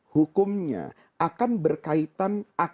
hukumnya akan berkaitan